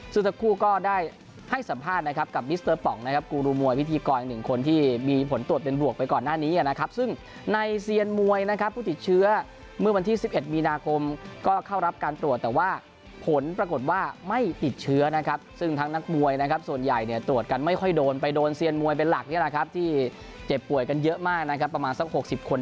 ซึ่งทั้งคู่ก็ได้ให้สัมภาษณ์นะครับกับมิสเตอร์ปองนะครับกูรูมวยพิธีกรหนึ่งคนที่มีผลตรวจเป็นหลวกไปก่อนหน้านี้นะครับซึ่งในเซียนมวยนะครับผู้ติดเชื้อเมื่อวันที่สิบเอ็ดมีนาคมก็เข้ารับการตรวจแต่ว่าผลปรากฏว่าไม่ติดเชื้อนะครับซึ่งทั้งนักมวยนะครับส่วนใหญ่เนี่ยตรวจกันไม่ค่อย